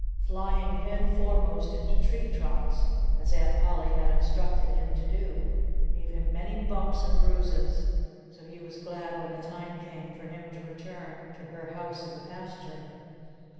Flying head foremost into tree trunks (as Aunt Polly had instructed him to do) gave him many bumps and bruises. So he was glad when the time came for him to return to her house in the pasture.